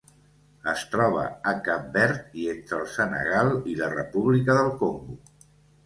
Es troba a Cap Verd i entre el Senegal i la República del Congo.